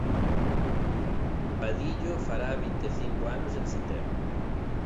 Vadillo fará vinte e cinco anos en setembro.